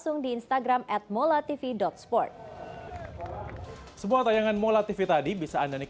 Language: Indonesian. sekiant my benik